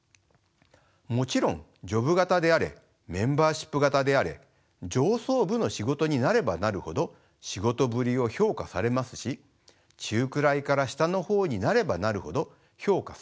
もちろんジョブ型であれメンバーシップ型であれ上層部の仕事になればなるほど仕事ぶりを評価されますし中くらいから下の方になればなるほど評価されなくなります。